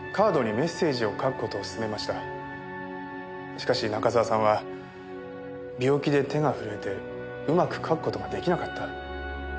しかし中沢さんは病気で手が震えてうまく書く事が出来なかった。